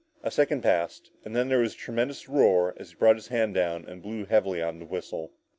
A second passed and then there was a tremendous roar as he brought his hand down and blew heavily on the whistle.